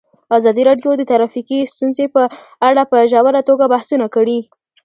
ازادي راډیو د ټرافیکي ستونزې په اړه په ژوره توګه بحثونه کړي.